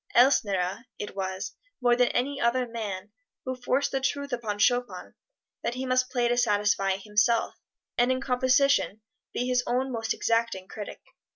Elsner, it was, more than any other man, who forced the truth upon Chopin that he must play to satisfy himself, and in composition be his own most exacting critic.